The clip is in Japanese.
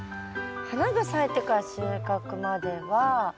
花が咲いてから収穫まではえっと